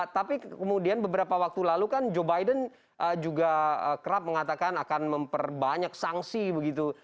tapi kemudian beberapa waktu lalu kan joe biden juga kerap mengatakan akan memperbanyak sanksi begitu